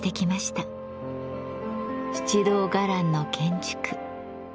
七堂伽藍の建築。